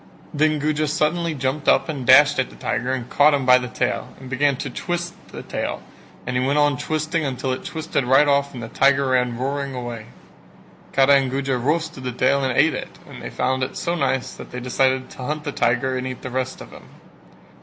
Then Guja suddenly jumped up and dashed at the tiger and caught him by the tail and began to twist the tail and he went on twisting until he twisted it right off and the tiger ran roaring away. Kara and Guja roasted the tail and ate it, and they found it so nice that they decided to hunt the tiger and eat the rest of him.